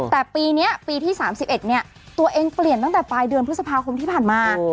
แต่ปีนี้ปีที่๓๑เนี่ยตัวเองเปลี่ยนตั้งแต่ปลายเดือนพฤษภาคมที่ผ่านมา